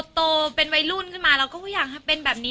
โตเป็นวัยรุ่นขึ้นมาเราก็อยากให้เป็นแบบนี้